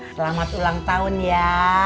selamat ulang tahun ya